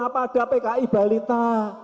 apa ada pki balita